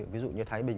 ví dụ như thái bình